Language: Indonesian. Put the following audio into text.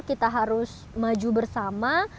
kita harus maju bersama